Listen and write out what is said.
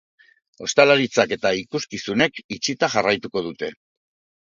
Ostalaritzak eta ikuskizunek itxita jarraituko dute.